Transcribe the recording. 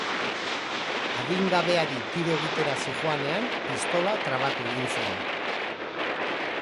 Adingabeari tiro egitera zihoanean, pistola trabatu egin zen.